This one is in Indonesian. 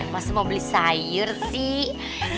masih mau beli sayur sih